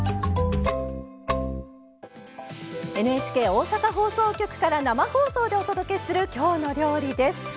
ＮＨＫ大阪放送局から生放送でお届けする「きょうの料理」です。